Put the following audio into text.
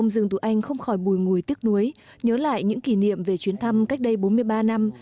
cũng khỏi bùi ngùi tiếc nuối nhớ lại những kỷ niệm về chuyến thăm cách đây bốn mươi ba năm